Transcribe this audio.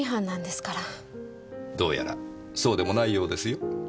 どうやらそうでもないようですよ。